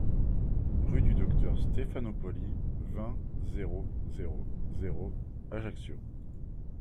Rue du Docteur Stéphanopoli, vingt, zéro zéro zéro Ajaccio